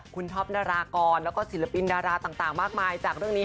คุณท็อปนารากรแล้วก็ศิลปินดาราต่างมากมายจากเรื่องนี้